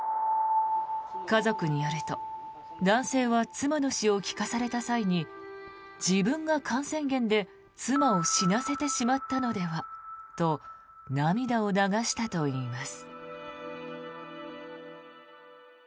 家族によると男性は、妻の死を聞かされた際に自分が感染源で妻を死なせてしまったのではと涙を流したといいます。